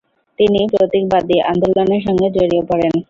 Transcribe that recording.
তিনি প্রতীকবাদী আন্দোলনের সঙ্গে জড়িয়ে পড়েন।